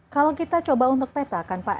kalau kita coba untuk peta kan pak